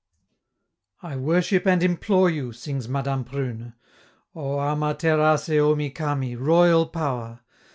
"I worship and implore you," sings Madame Prune, "O Ama Terace Omi Kami, royal power!